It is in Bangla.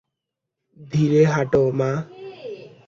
ধীরে হাটো, মা।